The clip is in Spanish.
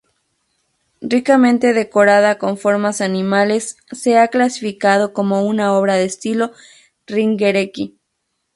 Ricamente decorada con formas animales, se ha clasificado como una obra de estilo Ringerike.